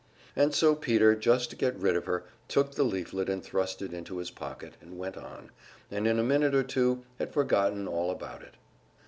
And so Peter, just to get rid of her, took the leaflet and thrust it into his pocket, and went on, and in a minute or two had forgotten all about it.